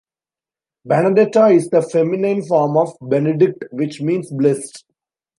Benedetta is the feminine form of "Benedict" which means blessed.